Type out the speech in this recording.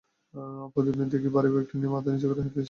প্রতিদিনই দেখি ভারী ব্যাগটা নিয়ে মাথা নিচু করে হেঁটে স্কুলে যাও।